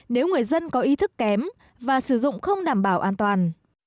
nếu người dân có ý thức kém và sử dụng không đảm bảo an toàn